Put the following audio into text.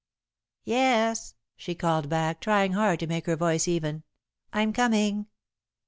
"Yes," she called back, trying hard to make her voice even, "I'm coming!"